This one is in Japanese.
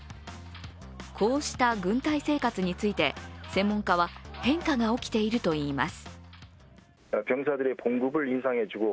こうした軍隊生活について専門家は変化が起きているといいます。